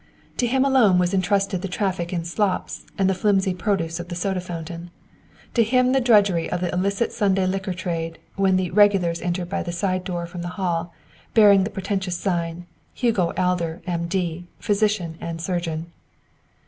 To him alone was entrusted the traffic in slops and the flimsy produce of the soda fountain, to him the drudgery of the illicit Sunday liquor trade, when the "regulars" entered by the side door from the hall, bearing the portentous sign, "Hugo Adler, M.D., Physician and Surgeon."